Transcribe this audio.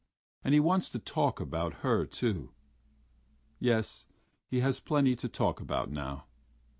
And he wants to talk about her too.... Yes, he has plenty to talk about now.